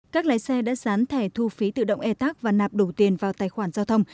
các lái xe đã sán thẻ thu phí tự động etag và nạp đủ tiền vào tài khoản giao thông